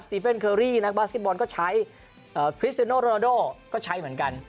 ตีเฟนเคอรี่นักบาสเบอลก็ใช้คริสเซโนโรนาโดก็ใช้เหมือนกัน